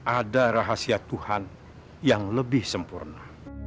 ada rahasia tuhan yang lebih sempurna